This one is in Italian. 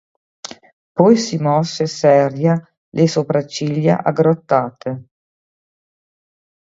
Poi si mosse, seria, le sopracciglia aggrottate.